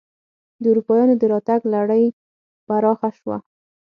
د اروپایانو دراتګ لړۍ پراخه شوه.